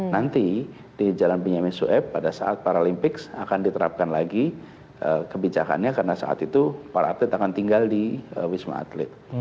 nanti di jalan benyamin sueb pada saat paralimpiks akan diterapkan lagi kebijakannya karena saat itu para atlet akan tinggal di wisma atlet